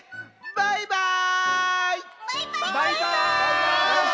バイバーイ！